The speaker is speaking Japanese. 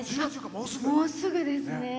もうすぐですね。